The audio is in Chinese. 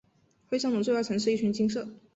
徽章的最外层是一圈金色。